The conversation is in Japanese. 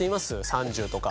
３０とか。